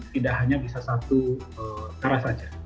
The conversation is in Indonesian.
tidak hanya bisa satu arah saja